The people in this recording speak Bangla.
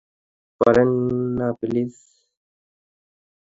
করেন না, প্লিজ।